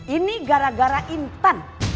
ini gara gara intan